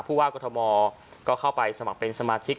ผู้ว่ากรทมก็เข้าไปสมัครเป็นสมาชิก